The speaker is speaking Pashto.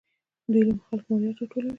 دوی له خلکو مالیه راټولوي.